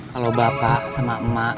kalau bapak sama emak